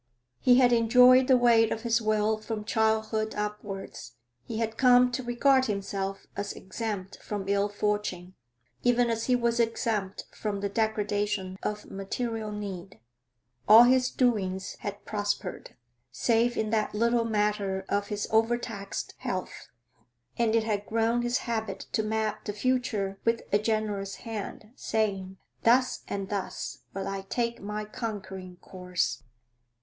He had enjoyed the way of his will from childhood upwards; he had come to regard himself as exempt from ill fortune, even as he was exempt from the degradation of material need; all his doings had prospered, save in that little matter of his overtaxed health, and it had grown his habit to map the future with a generous hand, saying: Thus and thus will I take my conquering course.